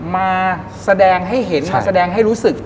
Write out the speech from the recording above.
มาแสดงให้เห็นมาแสดงให้รู้สึก